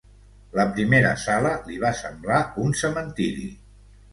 La primera sala li va semblar un cementiri.